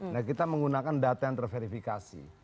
nah kita menggunakan data yang terverifikasi